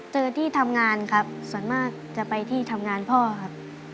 ที่ทำงานครับส่วนมากจะไปที่ทำงานพ่อครับ